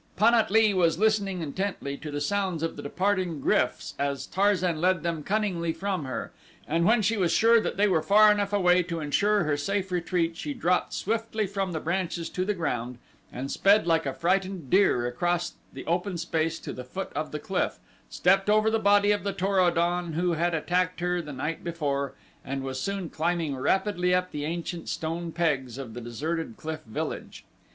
Pan at lee was listening intently to the sounds of the departing gryfs as Tarzan led them cunningly from her, and when she was sure that they were far enough away to insure her safe retreat she dropped swiftly from the branches to the ground and sped like a frightened deer across the open space to the foot of the cliff, stepped over the body of the Tor o don who had attacked her the night before and was soon climbing rapidly up the ancient stone pegs of the deserted cliff village.